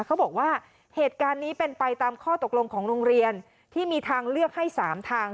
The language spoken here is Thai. เขาบอกว่าเหตุการณ์นี้เป็นไปตามข้อตกลงของโรงเรียนที่มีทางเลือกให้๓ทาง